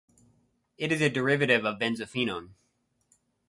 It is a derivative of benzophenone.